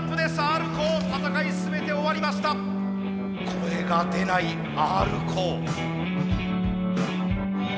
声が出ないＲコー。